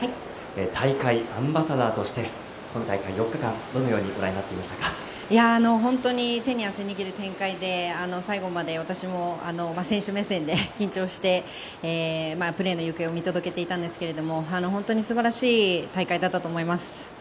大会アンバサダーとして今大会、８日間本当に手に汗握る展開で最後まで私も選手目線で緊張してプレーの行方を見届けていたんですが本当に素晴らしい大会だったと思います。